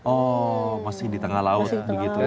oh masih di tengah laut begitu ya